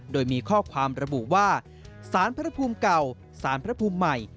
โดยมีข้อความระบุว่าสารพระภูมิเก่าสารพระภูมิใหม่